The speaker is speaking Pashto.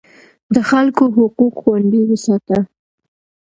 د خلکو حقوق خوندي وساته.